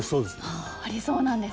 ありそうなんですね。